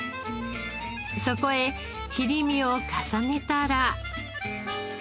そこへ切り身を重ねたら。